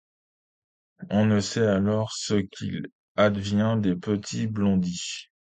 On ne sait alors ce qu'il advint des petits de Blondi.